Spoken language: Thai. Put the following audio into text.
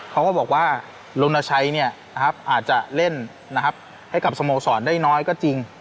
เขาก็บอกว่ารณชัยอาจจะเล่นให้กับสโมสรได้น้อยก็จริง